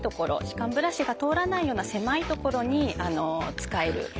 歯間ブラシが通らないような狭い所に使える。